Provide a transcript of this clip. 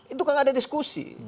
itu kan ada diskusi